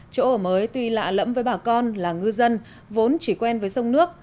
chỗ ở mới tuy lạ lẫm với bà con là ngư dân vốn chỉ quen với sông nước